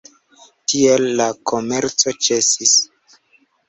Tiel la komerco ĉesis.